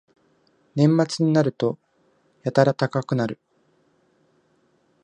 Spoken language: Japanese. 年末になるとやたら高くなる